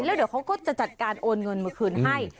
แล้วเดี๋ยวเขาก็จะจัดการโอนเงินมาคืนให้